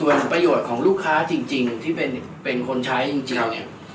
ส่วนประโยชน์ของลูกค้าจริงที่เป็นคนใช้จริงเนี่ย